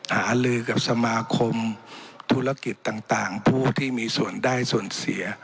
หาลือกับสมาคมธุรกิจต่างผู้ที่มีส่วนได้ส่วนเสีย